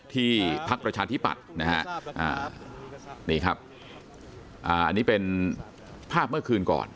พักประชาธิปัตย์นะฮะนี่ครับอันนี้เป็นภาพเมื่อคืนก่อน